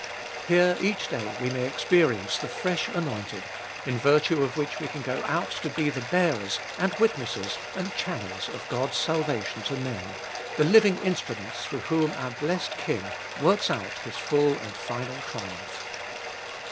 Here each day we may experience the fresh anointing, in virtue of which we can go out to be the bearers, and witnesses, and channels of God's salvation to men, the living instruments through whom our blessed King works out His full and final triumph.